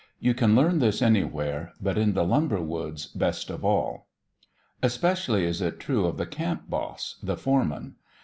You can learn this anywhere, but in the lumber woods best of all. Especially is it true of the camp boss, the foreman.